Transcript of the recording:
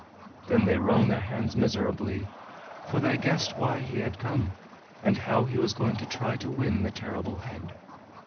Then they wrung their hands miserably, for they guessed why he had come, and how he was going to try to win the Terrible Head.